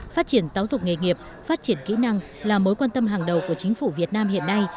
phát triển giáo dục nghề nghiệp phát triển kỹ năng là mối quan tâm hàng đầu của chính phủ việt nam hiện nay